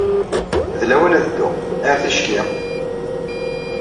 D lawan ad dduɣ. Ar ticki.